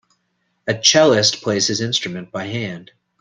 A cellist plays his instrument by hand.